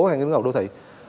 hay là người đứng đầu đô thị